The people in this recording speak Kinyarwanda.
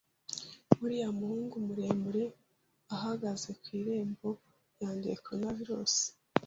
Uriya muhungu muremure ahagaze ku irembo yanduye Coronavirus